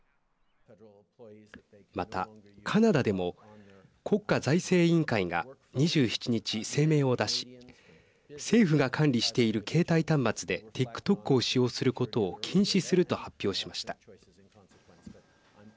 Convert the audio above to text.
また、カナダでも国家財政委員会が２７日、声明を出し政府が管理している携帯端末でＴｉｋＴｏｋを使用することを禁止すると発表しました。